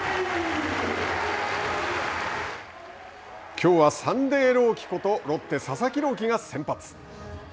きょうはサンデー朗希ことロッテ、佐々木朗希が先発。